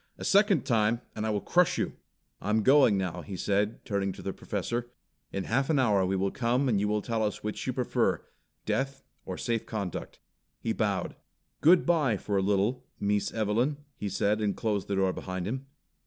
"A second time and I will crush you! I'm going now," he said, turning to the Professor. "In half an hour we will come and you will tell us which you prefer death or safe conduct." He bowed. "Good bye for a little, Mees Evelyn, he said and closed the door behind him."